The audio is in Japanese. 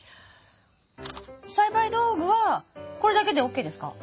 栽培道具はこれだけでＯＫですか？